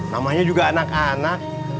namanya juga anak anak